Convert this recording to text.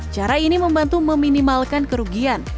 cara ini membantu meminimalkan kerugian